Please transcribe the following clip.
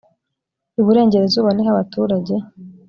iburengerazuba niho abaturage